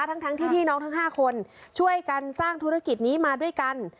ทั้งที่พี่น้องทั้ง๕คนช่วยกันสร้างธุรกิจนี้มาด้วยกัน